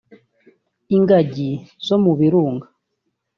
ingagi zo mu birunga